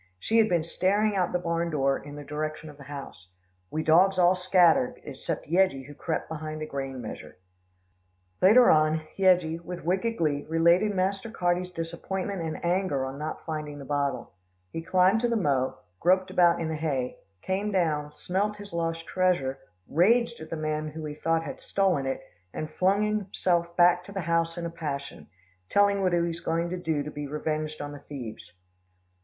She had been staring out the barn door in the direction of the house. We dogs all scattered, except Yeggie who crept behind a grain measure. Later on Yeggie, with wicked glee, related Master Carty's disappointment and anger on not finding the bottle. He climbed to the mow, groped about in the hay, came down, smelt his lost treasure, raged at the men who he thought had stolen it, and flung himself back to the house in a passion, telling what he was going to do to be revenged on the thieves.